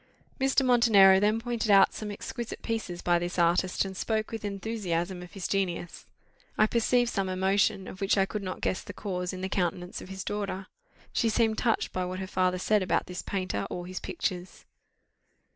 Mr. Montenero then pointed out some exquisite pieces by this artist, and spoke with enthusiasm of his genius. I perceived some emotion, of which I could not guess the cause, in the countenance of his daughter; she seemed touched by what her father said about this painter or his pictures.